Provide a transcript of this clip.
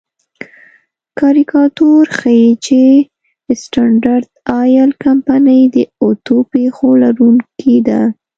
کاریکاتور ښيي چې سټنډرډ آیل کمپنۍ د اتو پښو لرونکې ده.